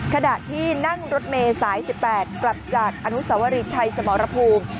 ขณะที่นั่งรถเมย์สาย๑๘กลับจากอนุสวรีชัยสมรภูมิ